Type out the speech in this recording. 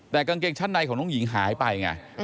แต่กางเกงชั้นในของน้องหญิงหายไปไง